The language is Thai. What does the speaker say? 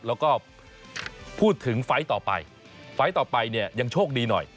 แล้วก็พูดถึงไฟล์ต่อไปไฟล์ต่อไปเนี่ยยังโชคดีหน่อย